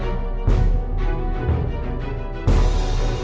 อันดับเกิดทาง